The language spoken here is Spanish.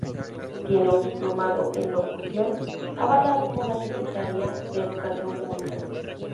Tiene un diplomado en locución avalado por la Secretaría de Educación Pública.